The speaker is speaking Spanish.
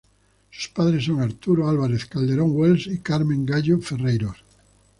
Sus padres son Arturo Álvarez-Calderón Wells y Carmen Gallo Ferreyros.